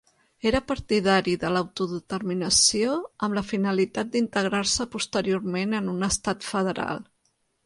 Era partidari de l'autodeterminació amb la finalitat d'integrar-se posteriorment en un Estat Federal.